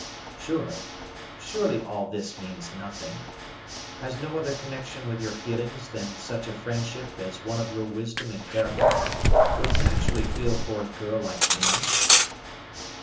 Surely, surely, all this means nothing, has no other connection with your feelings than such a friendship as one of your wisdom and character would naturally feel for a girl like me?"